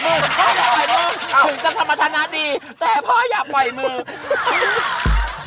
แต่พ่ออย่าไปเมื่อ